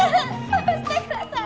下ろしてください！